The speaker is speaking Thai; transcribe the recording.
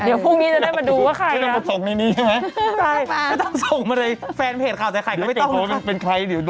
เดี๋ยวพรุ่งนี้จะได้มาดูว่าใครแล้ว